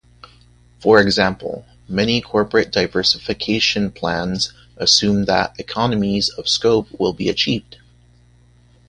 For example, many corporate diversification plans assume that economies of scope will be achieved.